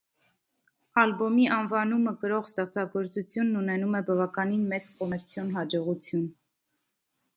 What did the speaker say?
Ալբոմի անվանումը կրող ստեղծագործությունն ունենում է բավականին մեծ կոմերցիոն հաջողություն։